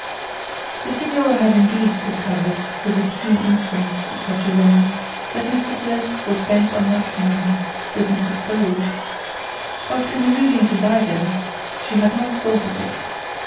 The signora had indeed discovered with the keen instinct of such a woman, that Mr Slope was bent on matrimony with Mrs Bold, but in alluding to Dido she had not thought of it.